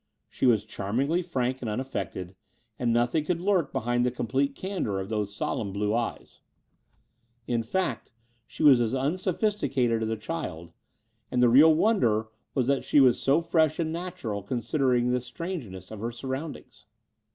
She was charmingly frank and unaffected: and nothing could lurk behind the complete candour of those solenm blue eyes. In 134 Th® Door of the Unreal fact, she was as tinsophisticated as a child ; and the real wonder was that she was so fresh and natural considering the strangeness of her surroundings.